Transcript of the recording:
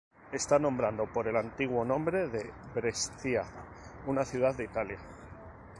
Está nombrado por el antiguo nombre de Brescia, una ciudad de Italia.